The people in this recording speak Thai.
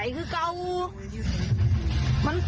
มีเพื่อนนร่ำไว้เลย